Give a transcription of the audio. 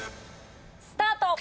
スタート！